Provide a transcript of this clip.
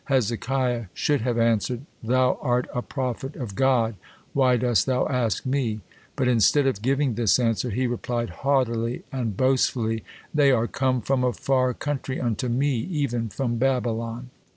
Hezekiah should have answered, "Thou art a prophet of God, why dost thou ask me?" But instead of giving this answer, he replied haughtily and boastfully, "They are come from a far country unto me, even from Babylon."